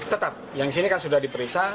tetap yang di sini kan sudah diperiksa